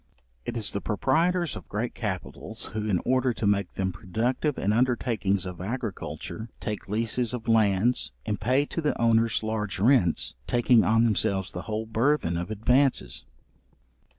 It is the proprietors of great capitals, who, in order to make them productive in undertakings of agriculture, take leases of lands, and pay to the owners large rents, taking on themselves the whole burthen of advances.